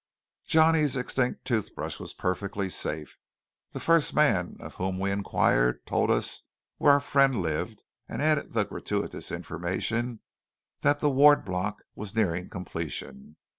Johnny's extinct toothbrush was perfectly safe. The first man of whom we inquired told us where our friend lived, and added the gratuitous information that the Ward Block was nearing completion.